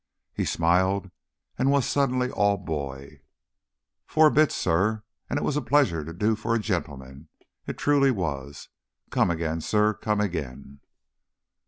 He smiled and was suddenly all boy. "Foah bits, suh. An' it was a pleasure to do fo' a gentleman. It truly was. Come agin, suh—come, agin!"